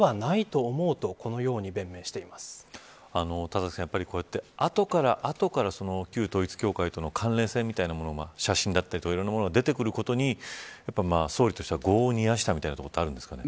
田崎さん、やっぱりこうやって、後から後から旧統一教会との関連性みたいなものが写真だったりいろんなものが出てくることに総理としては業を煮やしたみたいなところがあるんですか。